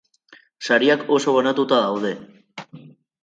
Sariak oso banatuta daude.